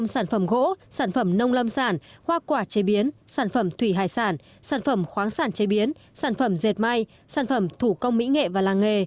sản phẩm nông lâm sản hoa quả chế biến sản phẩm thủy hải sản sản phẩm khoáng sản chế biến sản phẩm dệt may sản phẩm thủ công mỹ nghệ và làng nghề